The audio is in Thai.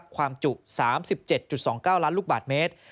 ความจุ๓๗๒๙ล้านลูกบาทเมตร